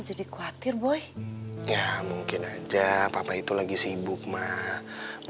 nangis dulu sampai kamu pindah ke rumah kamu nangis dulu sampai kamu pindah ke rumah kamu